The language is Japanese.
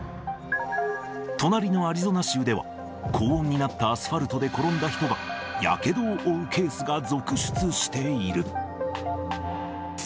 隣のアリゾナ州では、高温になったアスファルトで転んだ人がやけどを負うケースが続出している。